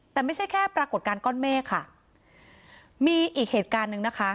แต่ไม่ใช่แค่ปรากฏการณ์ก้อนเมฆค่ะมีอีกเหตุการณ์หนึ่งนะคะ